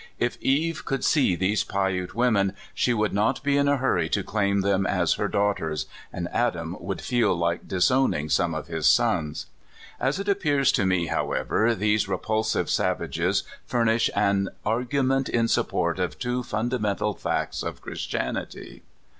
If Eve could see these Piute women, she would not be in a hurry to claim them as her daughters ; and Adam would feel like disowning some of his sons. As it appears to me, however, these repul sive savages furnish an argument in support of two fundamental facts of Christianity.